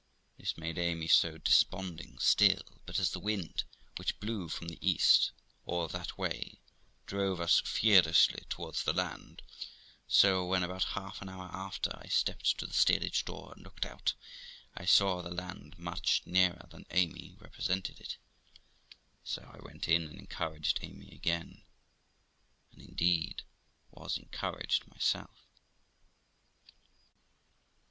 This made Amy so de sponding still; but as the wind, which blew from the east, or that way, drove us furiously towards the land, so when, about half an hour after, I stepped to the steerage door and looked out, I saw the land much nearer than Amy represented it; so I went in and encouraged Amy again, and indeed was encouraged myself.